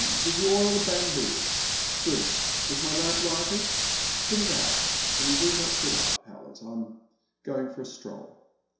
Did you oil the bamboo? Good. Is my lamp lighted ? Put it out — ^and you need not sit up, Howlett ; I 'm going for a stroll."